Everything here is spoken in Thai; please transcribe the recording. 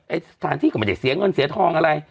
เออสถานที่เขามาเด็กเสียเงินเสียทองอะไร